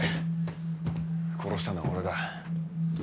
殺したのは俺だ。